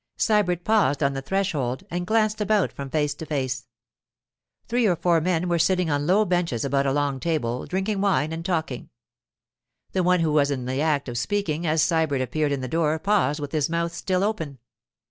Sybert paused on the threshold and glanced about from face to face. Three or four men were sitting on low benches about a long table, drinking wine and talking. The one who was in the act of speaking as Sybert appeared in the door paused with his mouth still open.